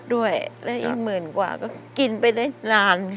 ด้วยก็อีกหมื่นกว่าก็กินไปได้นาน